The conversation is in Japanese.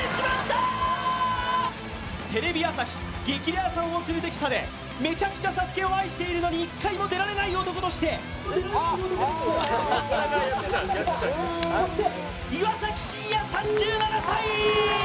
テレビ朝日「激レアさんを連れてきた」でめちゃくちゃＳＡＳＵＫＥを愛しているのに一回も出られない男として岩崎真也３７歳！